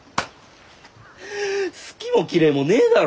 好きも嫌いもねえだろ。